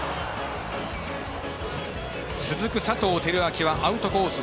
続く佐藤輝明はアウトコース